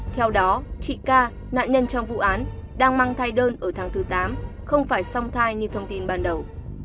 theo đó chị ca nạn nhân trong vụ án đang mang thai đơn ở tháng thứ tám không phải song thai như thông tin ban đầu